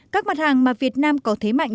các mặt hàng mà việt nam có thế mạnh